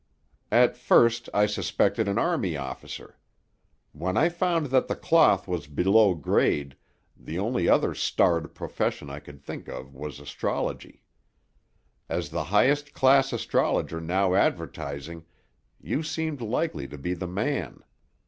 "At first I suspected an army officer. When I found that the cloth was below grade, the only other starred profession I could think of was astrology. As the highest class astrologer now advertising, you seemed likely to be the man.